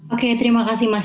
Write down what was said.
oke terima kasih mas